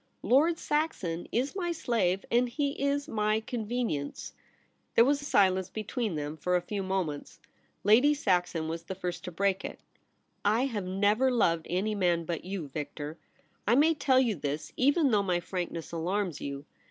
Lord Saxon is my slave, and he is my ''con venience." ' There was silence between them for a few moments. Lady Saxon was the first to break it. ' I have never loved any man but jou, Victor. I may tell you this, even though my frankness alarms you.